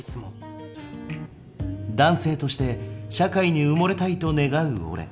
男性として社会に埋もれたいと願う俺。